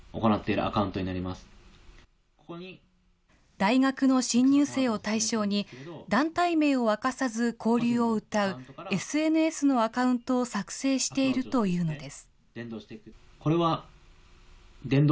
大学の新入生を対象に、団体名を明かさず、交流をうたうＳＮＳのアカウントを作成しているというのです。